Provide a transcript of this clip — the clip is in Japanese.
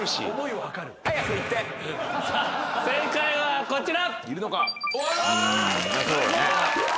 正解はこちら！